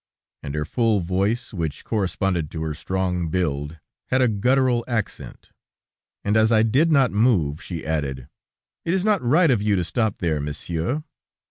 and her full voice, which corresponded to her strong build, had a guttural accent, and as I did not move, she added: "It is not right of you to stop there, monsieur."